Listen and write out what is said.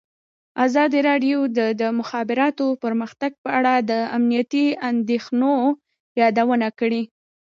ازادي راډیو د د مخابراتو پرمختګ په اړه د امنیتي اندېښنو یادونه کړې.